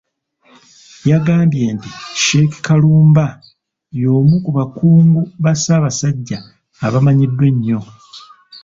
Yagambye nti Sheik Kulumba y'omu ku bakungu ba Ssabasajja abamanyiddwa ennyo.